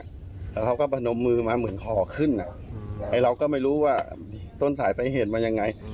แล้วเขาก็พนมมือมาเหมือนขอขึ้นอ่ะไอ้เราก็ไม่รู้ว่าต้นสายไปเหตุมายังไง